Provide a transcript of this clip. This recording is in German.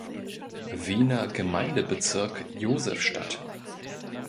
Wiener Gemeindebezirk Josefstadt.